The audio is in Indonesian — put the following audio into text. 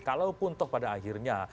kalaupun toh pada akhirnya